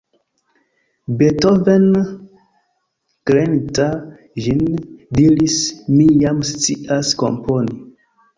Beethoven, kreinta ĝin, diris: "Mi jam scias komponi".